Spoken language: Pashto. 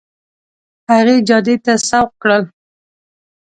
هغې جادې ته سوق کړل.